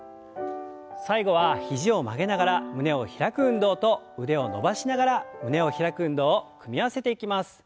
最後は肘を曲げながら胸を開く運動と腕を伸ばしながら胸を開く運動を組み合わせていきます。